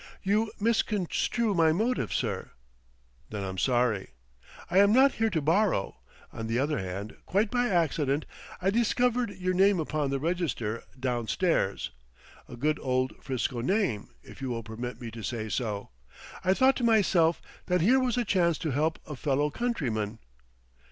"You misconstrue my motive, sir." "Then I'm sorry." "I am not here to borrow. On the other hand, quite by accident I discovered your name upon the register, down stairs; a good old Frisco name, if you will permit me to say so. I thought to myself that here was a chance to help a fellow countryman."